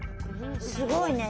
すごいね。